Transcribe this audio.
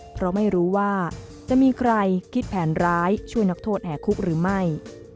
เพราะไม่รู้ว่าจะมีใครคิดแผนร้ายช่วยนักโทษแห่คุกหรือไม่